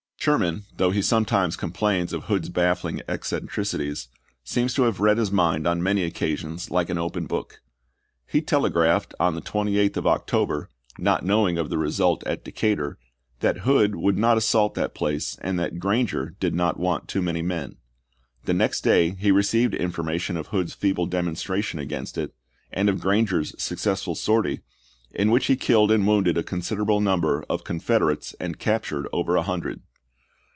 Sherman, though he sometimes complains of Hood's baffling eccentricities, seems to have read his mind on many occasions like an open book. He telegraphed on the 28th of October, not know ing of the result at Decatur, that Hood would not assault that place and that Granger did not want too many men. The next day he received infor mation of Hood's feeble demonstration against it, and of Granger's successful sortie, in which he killed and wounded a considerable number of Con federates and captured over a hundred.